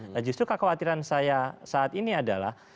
nah justru kekhawatiran saya saat ini adalah